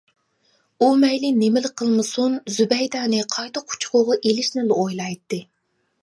ئۇ مەيلى نېمىلا قىلمىسۇن، زۇبەيدەنى قايتا قۇچىقىغا ئېلىشنىلا ئويلايتتى.